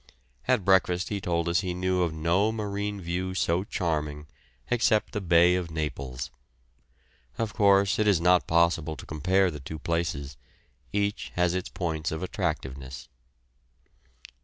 At breakfast he told us he knew of no marine view so charming except the Bay of Naples. Of course, it is not possible to compare the two places; each has its points of attractiveness.